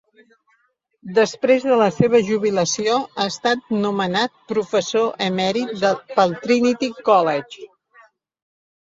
Després de la seva jubilació ha estat nomenat "Professor emèrit" pel Trinity College.